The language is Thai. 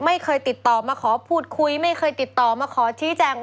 ไม่เคยติดต่อมาขอพูดคุยไม่เคยติดต่อมาขอชี้แจง